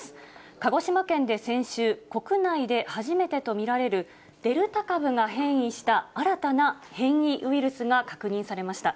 鹿児島県で先週、国内で初めてと見られる、デルタ株が変異した新たな変異ウイルスが確認されました。